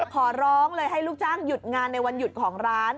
ขอร้องเลยให้ลูกจ้างหยุดงานในวันหยุดของร้าน